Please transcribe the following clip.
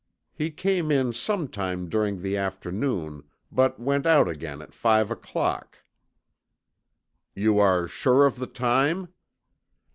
He came in some time during the afternoon but went out again at five o'clock." "You are sure of the time?"